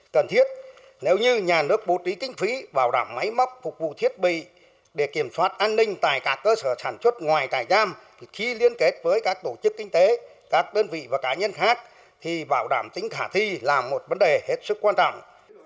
cả nhân khác thì bảo đảm tính khả thi là một vấn đề hết sức quan trọng